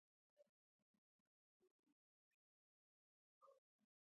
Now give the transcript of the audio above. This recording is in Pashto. ټول ژوندي موجودات له حجرو څخه جوړ شوي دي